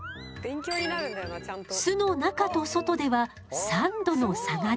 巣の中と外では３度の差が出たの。